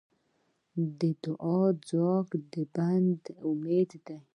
د دعا ځواک د بنده امید دی.